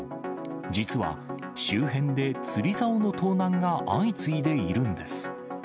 実は周辺で釣りざおの盗難が相次いでいるんです。